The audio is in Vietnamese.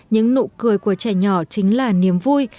những nụ cười của trẻ nhỏ chính là niềm vui